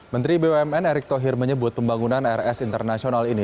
menteri bumn erick thohir menyebut pembangunan rs internasional ini